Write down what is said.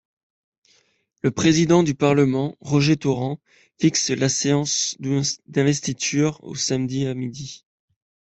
Le président du Parlement, Roger Torrent, fixe la séance d'investiture au samedi à midi.